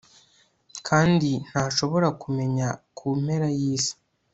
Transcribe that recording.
Kandi ntashobora kumenya kumpera yisi